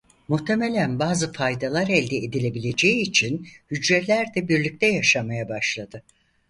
Muhtemelen bazı faydalar elde edilebileceği için hücreler de birlikte yaşamaya başladı.